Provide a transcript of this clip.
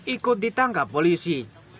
ikut ditangkap polisi